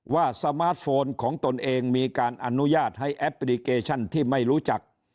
สมาร์ทโฟนของตนเองมีการอนุญาตให้แอปพลิเคชันที่ไม่รู้จัก